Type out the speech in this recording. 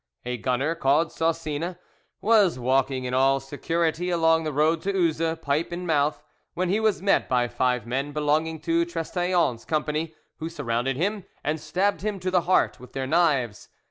A gunner called Saussine was walking in all security along the road to Uzes, pipe in mouth, when he was met by five men belonging to Trestaillon's company, who surrounded him and stabbed him to the heart with their knives.